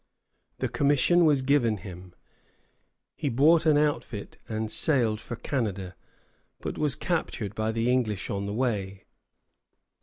The commission was given him. He bought an outfit and sailed for Canada, but was captured by the English on the way.